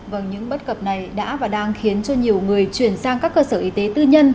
vâng những bất cập này đã và đang khiến cho nhiều người chuyển sang các cơ sở y tế tư nhân